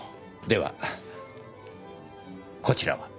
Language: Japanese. ではこちらは？